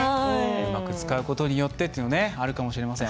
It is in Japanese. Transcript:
うまく使うことによってっていうのあるかもしれません。